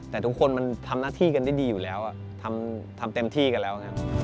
แต่ทุกคนมันทำหน้าที่กันได้ดีอยู่แล้วทำเต็มที่กันแล้วครับ